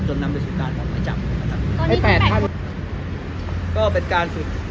จนนำไปสุดการณ์ของหมายจำนะครับตอนนี้เป็นแปดคนก็เป็นการสุด